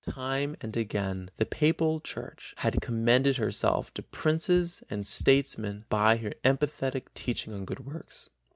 Time and again the papal church had commended herself to princes and statesmen by her emphatic teaching of good works.